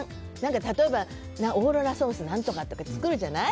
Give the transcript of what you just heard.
例えば、オーロラソースの何とかとか作るじゃない。